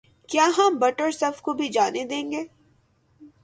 کیا ہم بٹ اور صف کو بھی جانے دیں گے